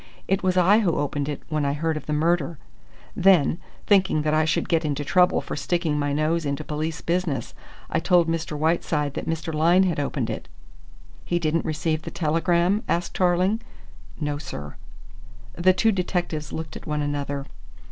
It was I who opened it when I heard of the murder. Then, thinking that I should get into trouble for sticking my nose into police business, I told Mr. Whiteside that Mr. Lyne had opened it." "He didn't receive the telegram?" asked Tarling. "No, sir." The two detectives looked at one another.